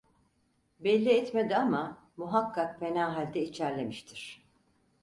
Belli etmedi ama, muhakkak fena halde içerlemiştir.